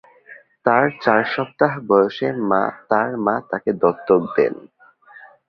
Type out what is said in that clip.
তার চার সপ্তাহ বয়সে তার মা তাকে দত্তক দেন।